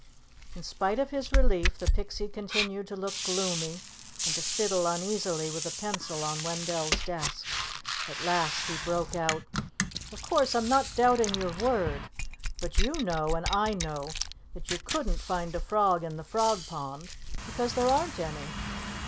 In spite of his relief, the Pixie continued to look gloomy and to fiddle uneasily with a pencil on Wendell's desk. At last he broke out: "Of course, I'm not doubting your word, but you know and I know that you couldn't find a frog in the Frog Pond because there aren't any."